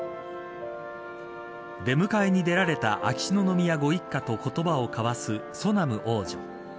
出迎えに出られた秋篠宮ご一家と言葉を交わすソナム王女。